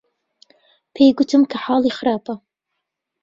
پێی گوتم کە حاڵی خراپە.